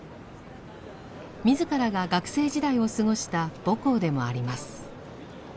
自らが学生時代を過ごした母校でもあります。